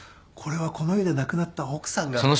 これはこの家で亡くなった奥さんが。